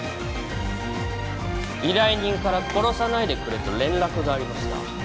依頼人から殺さないでくれと連絡がありました